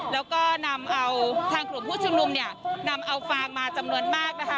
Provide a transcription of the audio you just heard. แล้วก็นำเอาทางกลุ่มผู้ชุมนุมเนี่ยนำเอาฟางมาจำนวนมากนะคะ